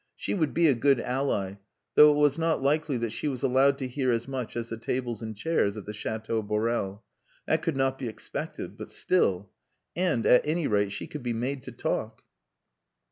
She would be a good ally, though it was not likely that she was allowed to hear as much as the tables and chairs of the Chateau Borel. That could not be expected. But still.... And, at any rate, she could be made to talk.